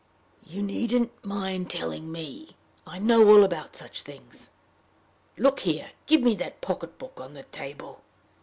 "You needn't mind telling me! I know all about such things. Look here! Give me that pocket book on the table."